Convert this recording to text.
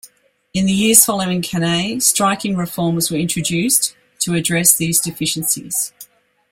In the years following Cannae, striking reforms were introduced to address these deficiencies.